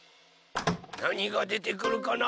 なにがでてくるかな？